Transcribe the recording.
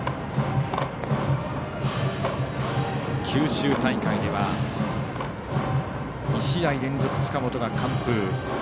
九州大会では２試合連続で塚本が完封。